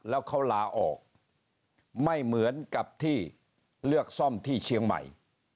แล้วเขาลาออกไม่เหมือนกับที่เลือกซ่อมที่เชียงใหม่